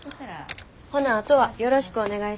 ほなあとはよろしくお願いします。